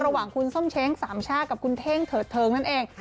ระหว่างคุณส้มเช้งสามชาติกับคุณเท่งเถิดเทิงนั่นเอง